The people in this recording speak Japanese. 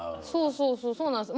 そうそうそうなんですよ。